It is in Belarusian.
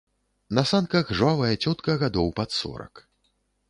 На санках жвавая цётка гадоў пад сорак.